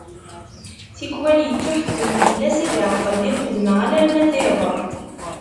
Tikkwal yettuḥettem fell-as ad iɛeṭṭel di lxedma alarma d iḍ.